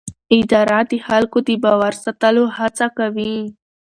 اداره د خلکو د باور ساتلو هڅه کوي.